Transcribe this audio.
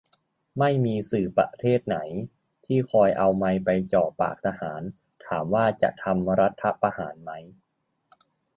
ไม่มีสื่อประเทศไหน ที่คอยเอาไมค์ไปจ่อปากทหาร ถามว่าจะทำรัฐประหารไหม